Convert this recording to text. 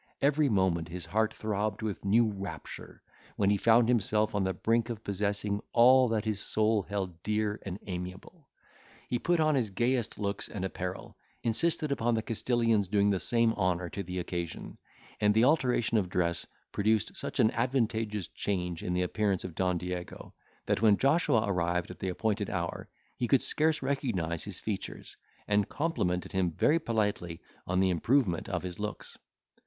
Every moment his heart throbbed with new rapture, when he found himself on the brink of possessing all that his soul held dear and amiable; he put on his gayest looks and apparel; insisted upon the Castilian's doing the same honour to the occasion; and the alteration of dress produced such an advantageous change in the appearance of Don Diego, that when Joshua arrived at the appointed hour, he could scarce recognise his features, and complimented him very politely on the improvement of his looks.